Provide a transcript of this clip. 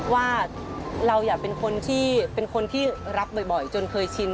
ว่าเราอยากเป็นคนที่รับบ่อยจนเคยชิน